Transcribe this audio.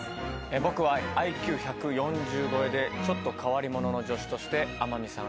僕はＩＱ１４０超えでちょっと変わり者の助手として天海さん